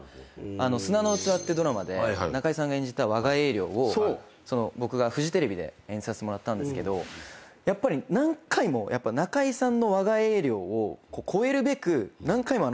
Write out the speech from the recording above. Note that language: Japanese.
『砂の器』ってドラマで中居さんが演じた和賀英良を僕がフジテレビで演じさせてもらったんですけどやっぱり何回も中居さんの和賀英良を超えるべく何回もあの連ドラを見るんですよ